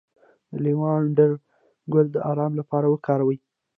د لیوانډر ګل د ارام لپاره وکاروئ